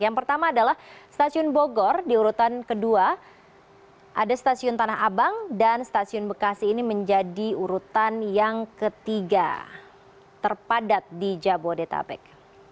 yang pertama adalah stasiun bogor di urutan kedua ada stasiun tanah abang dan stasiun bekasi ini menjadi urutan yang ketiga terpadat di jabodetabek